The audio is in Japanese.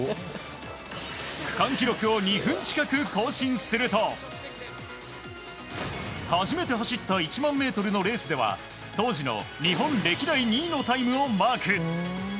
区間記録を２分近く更新すると初めて走った１００００ｍのレースでは当時の日本歴代２位のタイムをマーク。